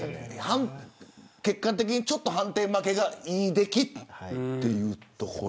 結果的にちょっと判定負けがいい出来というところ。